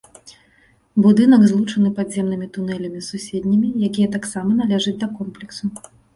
Будынак злучаны падземнымі тунэлямі з суседнімі, якія таксама належаць да комплексу.